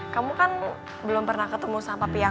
kamu kan belum pernah ketemu sama papi aku